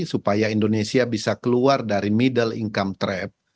supaya indonesia bisa keluar dari middle income trap